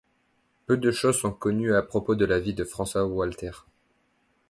Peu de choses sont connues à propos de la vie de François Walter.